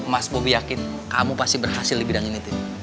mas bobi yakin kamu pasti berhasil di bidang ini